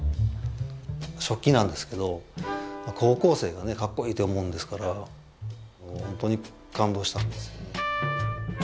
食器なんですけど高校生がねかっこいいって思うんですから本当に感動したんですよね。